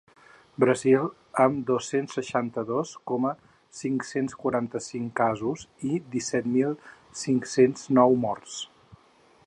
Brasil, amb dos-cents seixanta-dos coma cinc-cents quaranta-cinc casos i disset mil cinc-cents nou morts.